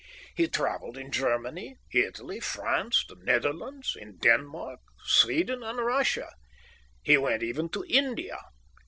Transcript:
He travelled in Germany, Italy, France, the Netherlands, in Denmark, Sweden, and Russia. He went even to India.